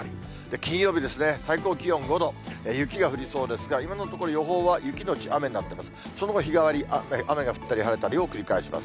金曜日ですね、最高気温５度、雪が降りそうですが、今のところ、予報は雪後雨になってます。